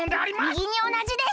みぎにおなじです！